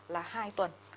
là hai tuần